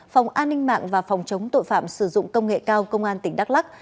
phòng an ninh mạng và phòng chống tội phạm sử dụng công nghệ cao công an tỉnh đắk lắc